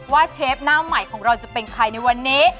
เชฟหน้าใหม่ของเราจะเป็นใครในวันนี้